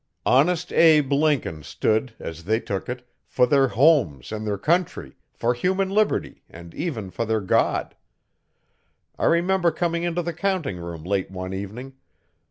'Honest Abe' Lincoln stood, as they took it, for their homes and their country, for human liberty and even for their God. I remember coming into the counting room late one evening.